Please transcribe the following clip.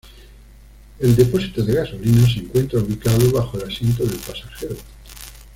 El depósito de gasolina se encuentra ubicado bajo el asiento del pasajero.